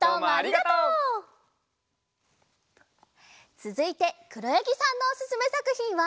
つづいてくろやぎさんのおすすめさくひんは？